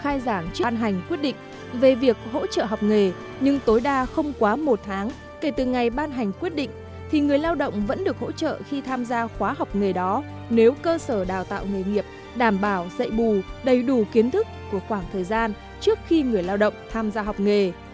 khai giảng chưa ban hành quyết định về việc hỗ trợ học nghề nhưng tối đa không quá một tháng kể từ ngày ban hành quyết định thì người lao động vẫn được hỗ trợ khi tham gia khóa học nghề đó nếu cơ sở đào tạo nghề nghiệp đảm bảo dạy bù đầy đủ kiến thức của khoảng thời gian trước khi người lao động tham gia học nghề